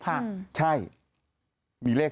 ค่ะใช่มีเลข